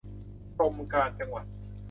กรมการจังหวัด